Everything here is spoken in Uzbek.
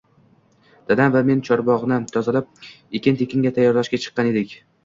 Dadam va men chorbogʻni tozalab, ekin-tikinga tayyorlashga chiqqan edik.